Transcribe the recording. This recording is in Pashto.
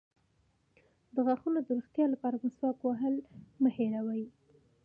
د غاښونو د روغتیا لپاره مسواک وهل مه هیروئ